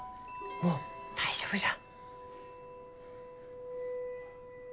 もう大丈夫じゃ。